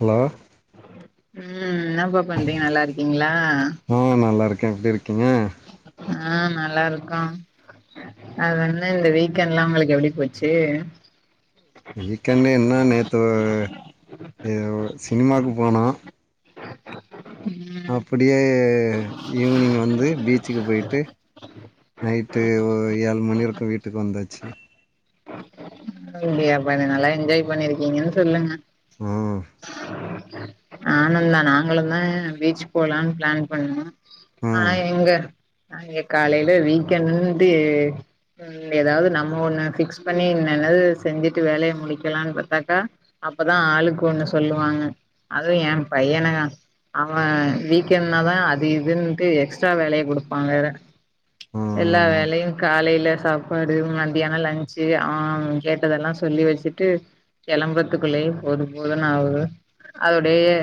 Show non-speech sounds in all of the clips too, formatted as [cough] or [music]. Hello ம் இன்னப்பா பண்றீங்க நல்லா இருக்கீங்ளா ஆ நல்லா இருக்கே எப்டி இருக்கீங்க ஆ நல்ல இருங்கோ அதென்ன இந்த வீக் எண்டுலா உங்களுக்கு எப்டி போச்சி வீக்கெண்டு என்னா நேத்து அ சினிமாவுக்கு போனோ அப்டியே ஈவ்னிங் வந்து பீச்சுக்கு போயி்ட்டு நைட்டு ஏழு மணி இருக்கு வீட்டுக்கு வந்தாச்சி பரவால்லையப்பா நீ நல்லா என்ஜாய் பண்ணி இருக்கீங்கன்னு சொல்லுங்க ம் நானுந்தா நாங்களு தா பீச் போலான்னு பிளான் பண்ணோ ஆனா ம் எங்க நாங்க காலையில விக் எண்ட் இன்டு ம் ஏதாது நம்ம ஒன்னு ஃபிக்ஸ் பண்ணி என்னாது செஞ்சிட்டு வேலைய முடிக்கலாம்னு பாத்தாக்கா அப்பதா ஆளுக்கு ஒன்னு சொல்லுவாங்க அதுவு ஏயே பையனா அவே வீக்கெண்ட்டுனாதா அது இதுன்னுட்டு எக்ஸ்ட்ரா வேலய குடுப்பா வேற எல்லா ம் வேலயு காலையில சாப்பாடு மத்தியானோ லஞ்சி அவ கேட் கேட்தெல்லா சொல்லி வெச்சிட்டு கெளம்பறத்துக்குள்ளயே போதும்போதுன்னு ஆகுது அப்டியே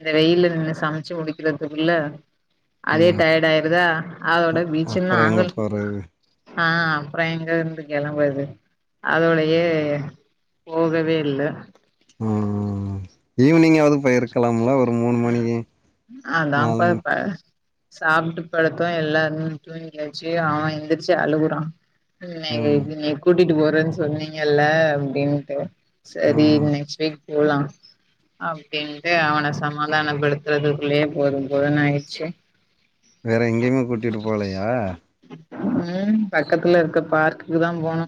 இந்த வெயில்ல நின்னு சமைச்சி முடிக்கிறதுக்குள்ள அதே ம் டயர்டா ஆயிருதா அதோட பீச்ச அப்றோ எங்க நாங்களு போறது ஆ அப்றோ எங்க இருந்து கெளம்பறது அதோட தே போகவே இல்ல ம் ம் ம் ஈவானிங்காது போயி இருக்கலாம்ல ஒரு மூணு மணி நாலு மணி சாப்புட்டு படுத்தோ எல்லாரு தூங்கியாச்சி அவே எந்துருச்சி அழுவுறா என்னைய ம் இபடி கூட்டிட்டு போறன்னு சொன்னீங்கல்ல அப்டின்ட்டு சேரி ம் நெக்ஸ்ட் வீக் போலா டின்ட்டு அவன சமாதானப்படுத்துறதுக்குள்ளேயே போது போதுனாயிடுச்சு வேற எங்கேயுமே கூட்டிட்டு போலயா ம் பக்கத்துல இருக்க பார்க்குக்குதா போனோ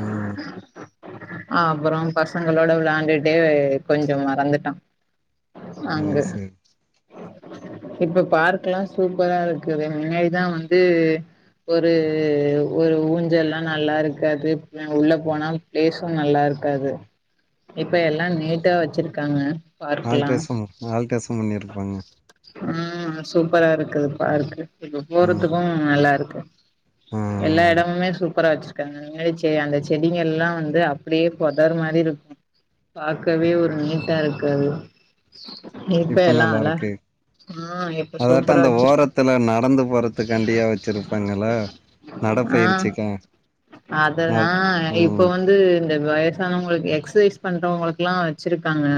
ம் அப்றோ பசங்களோட வெளையாண்டுட்டே கொஞ்சோ மறந்துட்டா அது ஆங்கு சரி இப்ப பார்க்லா சூப்பரா இருக்கு முன்னாடிதா வந்து ஒரு ஒரு ஊஞ்சல்லா நல்லா இருக்காது உள்ள போனா பிளேஸு நல்லா இருக்காது இப்ப எல்லா நீட்டா வெச்சிருக்காங்க ஆல்ட்ரேஷன் ஆல்ட்ரேஷன் பண்ணி இருப்பாங்க ம் சூப்பரா இருக்குது பார்க்கு இப்ப ம் போறதுக்கும் நல்லாருக்கு ஆ எல்லா எடமுமே சூப் சூப்பரா வெச்சிருக்காங்க முன்னாடி செ அந்த செடிங்க எல்லா வந்து அப்டியே பொதர் மாரி இருக்கோ பாக்கவே ஒரு நீட்டா இருக்காது இப்ப எல்லா அழ ஆ எப் அதாட்டோ அந்த ஓரத்துல நடந்து போறதுக்காண்டியே வெச்சிருப்பாங்கல்ல நடப்பயிற்ச்சிக்கிங்க அதுதா இப்போ வந்து இந்த வய உங்களுக்கு எக்சைஸ் பண்றவங்களுக்கு எல்லா வெச்சிருக்காங்க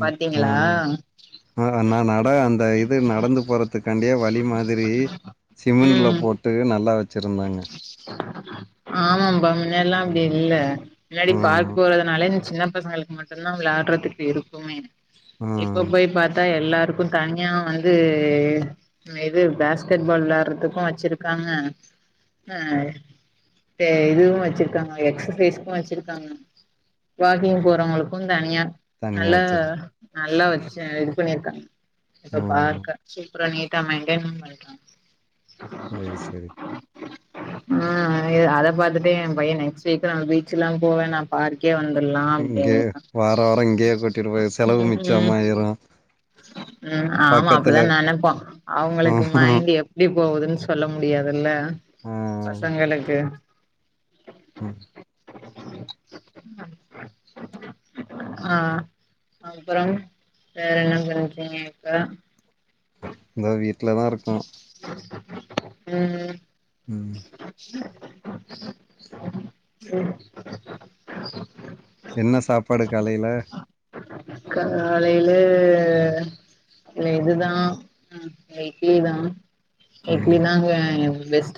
பாத்தீங்களா ம் ஆ நா நட அந்த இது நடந்து போறதுக்காண்டியே வழி மாதிரி சிமெண்ட்ல ம் போட்டு நல்லா வச்சிருந்தாங்க ஆமாம்பா முன்னெல்லா அப்டி ம் இல்ல முன்னாடி ம் பார்க் போறதுனாலே சின்ன பசங்களுக்கு மட்டுந்தா விளையாடுறதுக்கு இருக்குமே இப்ப ம் போய் பாத்தா எல்லாருக்கு தனியா வந்து இது பேஸ்கெட் பால் விளையாடுறதுக்கு வச்சிருக்காங்க ஆ தா இதுவு வெச்சிருக்காங்க எக்சசைஸ்க்கு வெச்சிருக்காங்க வாக்கிங் போறவங்களுக்கு தனியா தனியா நல்லா வச்சிரு நல்லா வச்சு இது பண்ணிருக்காங்க இப்ப ம் பாக்க அப்றோ நீட்டா மெயின்டெயி பன்றாங்க சேரி சேரி ம் அதை அதப் பாத்துட்டு ஏ பையே நெக்ஸ்ட் வீக்லா நா பீச்லா போவேனாம் பார்க்கே வந்தர்லா இங்கே அப்டின்டா வார வார இங்கேயே கூட்டிட்டு போய் செலவு ம் ம் மிச்சமாயிரு ம் ஆமா அப்டிதா பக்கத்துல இருக் நெனப்போ அவங்களுக்கு ம் மைன்ட் எப் டி போகுதுன்னு சொல்ல முடியாதுல்ல ஆ பசங்களுக்கு ம் ம் ஆ அப்புறம் வேற என்ன பன்றீங்க இப்ப இந்தா வீட்லதா இருக்கோ ம் ம் ம் என்ன சாப்பாடு காலைல காலைல இல்ல இதுதா இட்லிதா ம் இட்லிதாங்க பெஸ்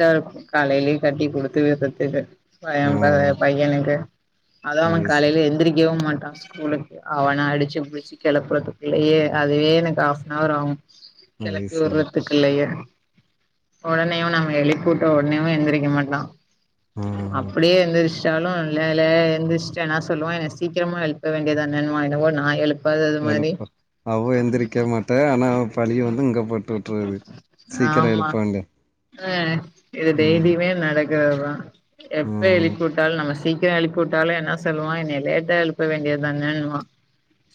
காலையே கட்டி குடுத்து விட்றதுக்கு ஆ பயம் பைய பையனுக்கு அது அவன் காலைல எந்திரிக்கவு மாட்டா ஸ்கூலுக் அவன அடிச்சு புடிச்சி கெளப்புறதுக்குள்ளயே அதுவே எனக்கு ஆஃப்னவர் ஆகு அது கெளப்பி சரி உட்றத்துக்குள்ளையே உடனேயு நாம எழுப் கூப்ட ஒடனேயு எந்திரிக்க மாட்டா ஆ அப்டியே எந்திரிச் ஸ்கூலு இல்லேலே எந்திரிச்ட் என்னா சொல்லுவா என்ன சீக்கிரமா எழுப்ப வேண்டியதானேன்னுவா என்னவோ நா எழுப் எழுப்ப அவ எந்திரிக்க மாட்டே ஆனா பழிய வந்து இங்க போட்டுட்றது சீக்கிர ஆமா எழுப்புவாங்க அ இது டெய்லியுமே நடக்கறதுதா எப்ப ம் எழுப்பிவுட்டாலு நம்ம சீக் சீக்கரோ எழுப்பிவிட்டாலு என்ன சொல்லுவா என்ன லேட்டா எழுப்ப வேண்டியதானேனுவா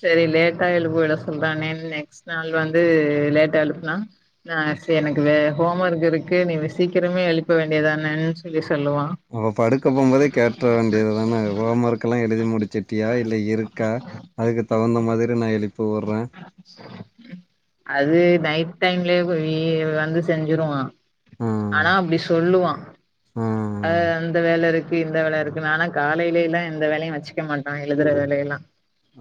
சேரி லேட்டா எழுப்பி விட சொல்றானே நெக்ஸ்ட் நாள் வந்து லேட்டா எழுப்புனா நா சேர் எனக்கு வே ஹோம் ஒர்க் இருக்கு நீங்க சீக்கிரமே எழுப்ப வேண்டியதானேன்னு சொல்லி சொல்லுவா அவே படுக்க போம்போதே கேட்ற வேண்டியதுதானே ஹோம் ஒர்க் எல்லா எழுதி முடிச்சுட்டியா இல்ல இருக்கா அதுக்கு தகுந்த மாதிரி நா எழுப்பி உட்றே அது நைட் டைம்லயே வீ வந்து செஞ்சுருவா ம் ஆனா அப்டி சொல்லுவா ஆ ம் அந்த வேல இருக்கு இந்த வேல இருக்கு ஆனா காலைலிலா எந்த வேலையு வச்சுக்க மாட்டா எழுதுற வேல எல்லா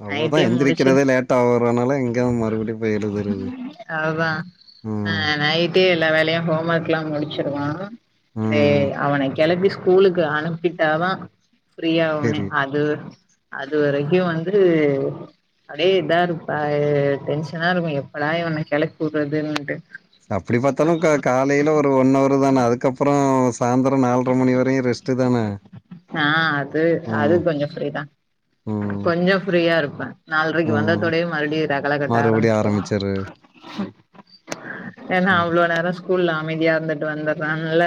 அவ தா நைட்டே முடிச்சு எந்திரிக்கிறதே லேட்டா ஆவுறனால இங்க மறுபடியு போய் எழுதுறது அதுதா ஆ ம் நைட்டே எல்லா வேலயு ஹோம் ஒர்க்லா முடிச்சிருவா தெ ம் அவனுக் கிளப்பி ஸ்கூலுக்கு அனுப்பிட்டாதா ஃப்ரீயாவுமே செரி அது அது வரைக்கு வந்து அப்டியே இதா இருப்பா டென்ஷனா இருக்கு எப்படா இவன கிளப்பி வுடுறதுன்டு சொ அப்டி பாத்தாலு க காலைல ஒரு ஒன் அவர் தானே அதுக்கப்றோ சாந்தரோ நால்ரை மணி வரையு ரெஸ்ட்டு தானே ஆ அது ம் கொஞ்சோ ஃப்ரீதா ம் கொஞ்சோ ஃப்ரீயா இருப்பே நாலரைக்கு ம் வந்ததோடயே மறுபடியு ரகள கட்ட மறுபடியும் ஆரம்பிச்சுருவா ஆரம்பிச்சிரு ஏனா ம் அவ்ளோ நேரோ ஸ்கூல்ல அமைதியா இருந்துட்டு வந்துடுறான்ல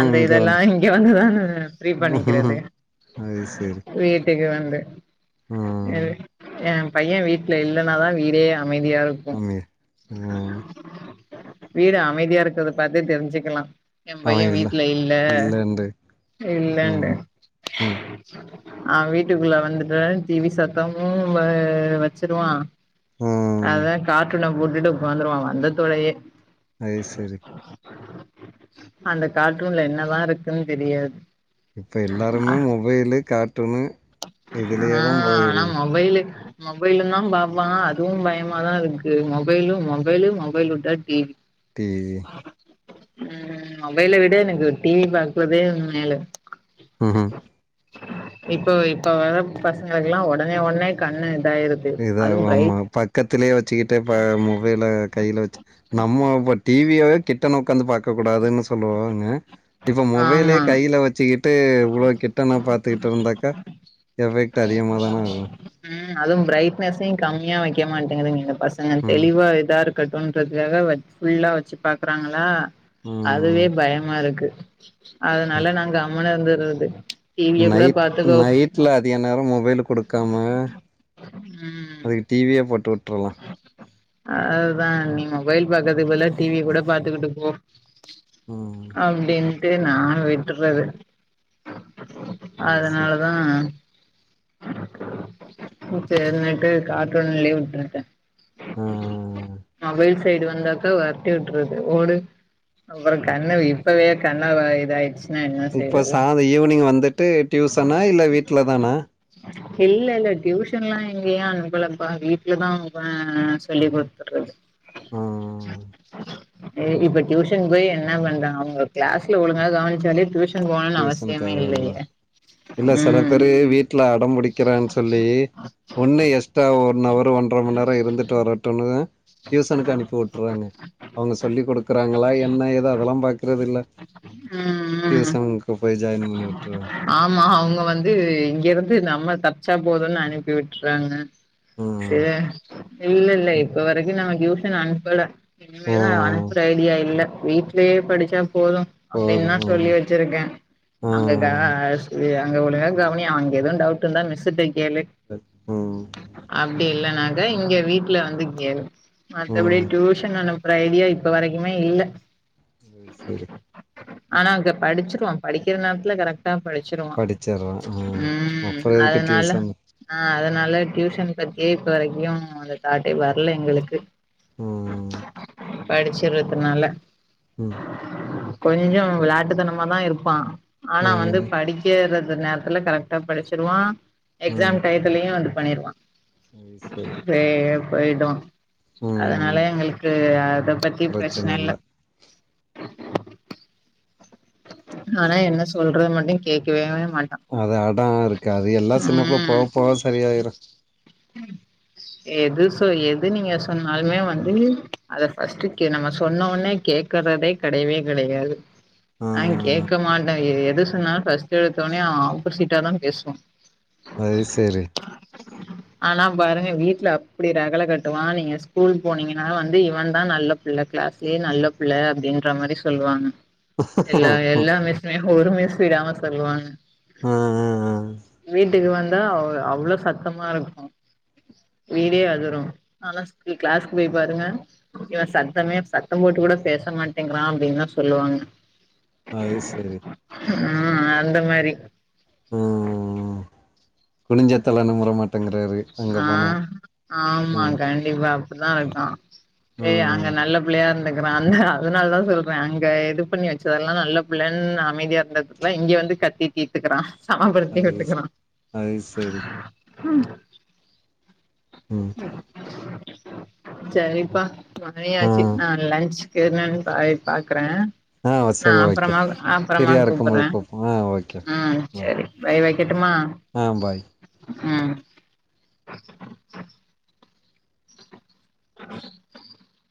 அந்த இங்க இதெல்லா வந்து இங்க வந்துதானே ஃப்ரீ பண்ணிக்கிறது ம் அது சரி வீட்டுக்கு வந்து ம் ஏ பைய்ய வீட்ல இல்லனாதா வீடே அமைதியா இருக் மம்மி ம் வீடு அமைதியா இருக்கறத பாத்தே தெரிஞ்சுக்லா ஏ பைய்ய அவன் இல்லை வீடல இல்ல இல்லைண்டு ம் இல்லன்டு ம் அவ வீட்டுக்குள்ள வந்துட்டே டிவி சத்தமு வ வெச்சிருவா ம் அததா கார்ட்டூன போட்டுட்டு உக்காந்துருவா வந்தத்தோடயே அது சரி அந்த கார்டூன்ல என்னதா இருக்குன் தெரியாது இப்ப எல்லாருமே மொபைலு கார்ட்டூனு இதுலேயே தான் ஆஹ் ஆனா போயிடுது மொபைலு மொபைல தா பாப்பா அதுவு பயமாதா இருக்கு மொபைலு மொபைலு மொபைலு வுட்டா டிவி டிவி உம் மொபைல விட எனக்கு டிவி பாக்கறதே மேலு ம் ம் இப்போ இப்போ வர பசங்களுக்கெல்லா ஒடனே ஒடனே கண்ணு இதாயிருது அதுவு இதாவ் ஆமா பிரைட் பக்கத்திலயே வெச்சுகிட்டே ப மொ பைல கைல வெச்சு நம்ம இப்ப டிவியவே கிட்ட உக்காந்து பார்க்க கூடாதுன்னு சொல்லுவாங்க இப்ப மொபைலே ஆமா கையில வெச்சுக்கிட் விட்டு இ்வ்ளோ கிட்ட நா பாத்துக்ட்டு இருந்தாக்கா எஃபெக்ட் அதிகமா தானே ஆகு ம் அதுவு பிரரைட்னஸையு கம்மியா வைக்க மாட்டேங்குதுங்க இந்த பசங்க ம். தெளிவா இதா இருக் இருக்கட்டோன்றதுக்காக வ ஃபுல்லா வச்சு பாக்குறாங்களா அதுவே ம். பயமா இருக்கு அதனால ம். நா கம்முனு இருந்துடுறது நைட் நைட்ல எந்நேரோ மொபைல குடுக்காம ம் அதுக்கு டிவியே போட்டு வுட்டுரலா அதுதா நீ மொபைல் பாக்கறதுக்கு பதிலா டிவிய கூட பாத்துக்கிட்டு போ ம். அப்டின்ட்டு நா விட்டுறது அது சரி. அதனாலதா பூட்டன்னக்க கார்டூன் லீவு விட்ருக்க ஆ. அவை சைடு வந்தாக்கா வெரட்டி விட்டுறது ஓடு அப்பறம் கண்ணு இப்பவே கண்ண இதாயிச்சு இப்ப சாரு ஈவினிங் வந்துட்டு டியூசனா இல்ல வீட்லதானா இல்ல இல்ல டியூஷன்லா எங்கயு அனுப்புலபா வீட்லதா பா சொல்லி குத்துட்றது உம் இப்ப டியூஷன் போய் என்னா பண்றாங்க அவுங்க கிளாஸ்ல ஒழுங்காக கவனிச்சாலே டியூஷன் போணுன்னு டியூசன் அவசியமே தேவல்ல இல்லையே இல்ல சில ம் பேரு வீட் வீட்ல அடம்புடிக்கிறான் சொல்லி ஒன்னு எக்ஸ்டா ஒன்னவர் ஒன்ற மண் நேரம் இருந்துட்டு வரட்டும்ன்முன்னு டியூசன்க்கு அனுப்பி விட்டுறாங்க அவுங்க சொல்லி குடுக்குறாங்களா என்ன ஏதோ அதெல்லாம் பாக்கறது இல்ல ம் ம் டியூசனுக்கு போய் ஜாய்ன் பண்ணி உட்று ஆமா அவுங்க வந்து இங்கிருந்து நம்ம தப்ச்சா போதும்ன்னு அனுப்பி விட்டுறாங்க சே ம் இல்லல்லை இங்க நா டியூஷன் அனுப்பல இனிமேதா ம் அனுப்புற ஐடியா இல்ல வீட்லயே படிச்சா போதும் அப்டின்தா போதும் சொல்லி வச்சிருக்கே அங்க க ம் அங்க ஒலுங்கா கவனி அங்க எதுவும் டவுட் இருந்தா மிஸ்ட்ட கேளு ம் ம் அப்டி இல்லன்னாக்கா இங்க வீட்ல வந்து கேளு மத்தபடி ம் டியூஷன் அனுப்புற ஐடியா இப்ப வரைக்குமே இல்ல சேர் சேரி ஆனா அங்க படிச்சிருவா படிக்கிற நேரத்துல கரக் ட்டா படிச்சிருவான் படிச்சர்றா ம் அப்புறம் எதுக்கு அதனால டியூசன் ஆ அதனால டியூஷன் பத்தியே இப்ப வரைக்கும் அந்த தாட்டே வ இல்ல எங்களுக்கு ம் படிச்சிருதுனால ம் கொஞ்சம் விளாட்டுத்தனமாதா இருப்பா ஆனா வந்து ம் படி க்கிற நேரத்துல கரெக்டா படிச்சிருவான் எக்ஸாம் டைத்துலயும் வந்து பண்ணிருவான் ம் சேர் டெய்லி போய்டும் அதனால ம் எங்களுக்கு அத பத்தி பிரச்சன இல்ல ஆனா என்ன சொல்றது மட்டும் கேக்கவே மாட் அது அடோ இருக்காது எல்லா சின்னக்புள்ள போக ம் போக சரியாயிரும் எது சோ எது நீங்க சொன்னாலுமே வந்து அத ஃபர்ஸ்ட்டு கே நம்ம சொன்னவுன்னே கேக்குறதே கெடையவே கெடையாது ஆ ந கேக்க மாட்ட எது சொன்னாலும் ஃபஸ்ட் ஏன்ச்சவுனே ஆப்போசிட்டாதா பேசுவான் அது சேரி ஆனா பாருங்க வீட்ல அப்டி ரகல கட்டுவான் நீங்க ஸ்கூல் போனீங்கனா வந்து இவன்தா நல்ல புள்ள கிளாஸ்லயே நல்ல பிள்ள அப்டின்ற மாரி சொல்லுவாங்க எல்லா ஆ எல்லா மிஸ்மே ஒரு மிஸ் விடாம சொல்லுவாங்க ஆ ஆ. வீட்டுக்கு வந்தா அவ் அவ்ளோ சத்தமா இருக்கும் வீடே அதுரும் ஆனா ஸ்கூல் கிளாஸ் போய் பாருங்க இவ சத்தமே சத்தம் போட்டு கூட பேச மாட்டேங்கிறா அப்டின்னுதா சொல்லுவாங்க அது சரி ம் அந்த மாரி ம் குனிஞ்சத்தல நிமுறமாட் ஆ ம் ஆமாங்க இவ அப்டிதா இருக்கா ஏய் அங்க ம் நல்ல பிள்ளையா இருந்துக்குறான்ல அதனால தா சொல்றே அங்க இது பண்ணி வச்சதெல்லா நல்ல பிள்ளைன்னு அமைதியா இருந்ததுல இங்க வந்து கத்திட்டு தீத்துக்குறா சாம்ப்படுத்தி அது ஸ்- விட்டுக்குறா அது சரி ம் ம் சரிப்பா ஆ மணியாச்சு நா லன்ச் சேரி என்னனு காலைல பாக்குறே ஆ சரி ஓகே அப்புறநாலு ஃப்ரீயா அப்புறநாலு இருக்கும்போது கூப்புறே கூப் ஆ ஓகே ஆ பாய் சேரி பை வைக்கட்டுமா ஆ பை ம் [inaudible] [inaudible]